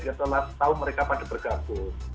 setelah setahun mereka pada bergabung